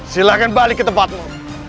silahkan balik ke tempatmu